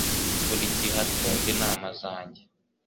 Buri gihe atumva inama zanjye.